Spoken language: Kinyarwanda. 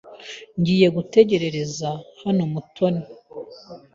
Ngiye gutegereza hano Mutoni.